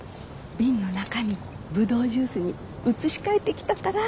瓶の中身ブドウジュースに移し替えてきたから。